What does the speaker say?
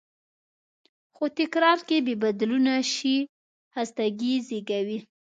خو تکرار که بېبدلونه شي، خستګي زېږوي.